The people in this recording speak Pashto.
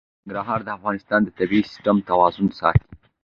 ننګرهار د افغانستان د طبعي سیسټم توازن ساتي.